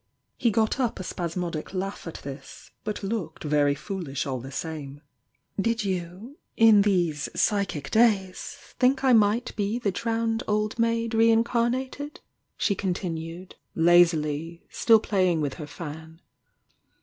He got up a spasmodic laugh at this, but looked very foolish all the same. "Did you — in these psychic days— thmk I mig^t 17 4,. 258 THE YOUNG DIANA be the drowned old maid reincarnated?" she oontin iicH lB2ilv. still playing with her fan.